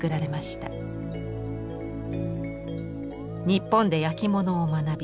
日本で焼き物を学び